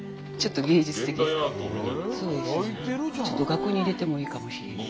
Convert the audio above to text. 額に入れてもいいかもしれない。